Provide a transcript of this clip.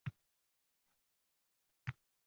Bu qabihlikni o’qib bildim.